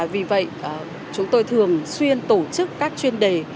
vì vậy chúng tôi thường xuyên tổ chức các chuyên đề